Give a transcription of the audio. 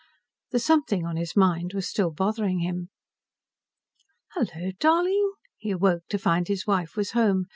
The something on his mind was still bothering him. "Hello, darling!" He awoke to find his wife was home.